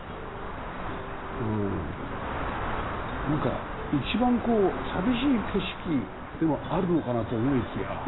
なんか一番寂しい景色ではあるのかなと思いきや。